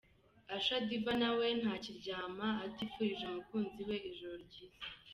Ashley Diva nawe ntakiryama atifurije umukunzi ijoro ryiza.